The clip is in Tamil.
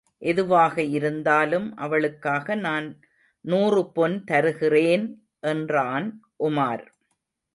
எதுவாக இருந்தாலும் அவளுக்காக நான் நூறு பொன் தருகிறேன்! என்றான் உமார்.